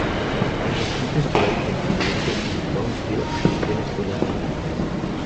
El Distrito Escolar Independiente de Brownsville gestiona escuelas públicas.